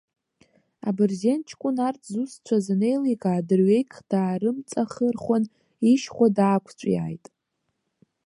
Абырзен ҷкәын, арҭ зусҭцәаз анеиликаа, дырҩегьых даарымҵахырхәан, ишьхәа даақәҵәиааит.